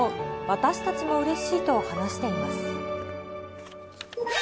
私たちもうれしいと話しています。